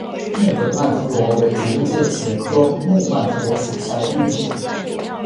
木本曼陀罗为植物界茄科木曼陀罗属下的一种。